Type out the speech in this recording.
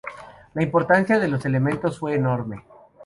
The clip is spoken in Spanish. La importancia de los "Elementos" fue enorme.